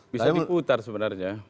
bisa diputar sebenarnya